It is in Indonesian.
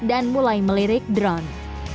dan mulai melirik drone